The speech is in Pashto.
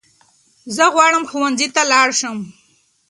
زه غواړم ښونځي ته لاړشم